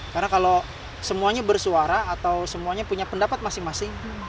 karena kalau semuanya bersuara atau semuanya punya pendapat masing masing